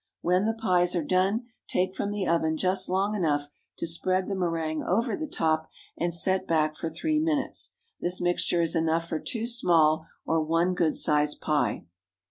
When the pies are done, take from the oven just long enough to spread the méringue over the top, and set back for three minutes. This mixture is enough for two small, or one good sized pie.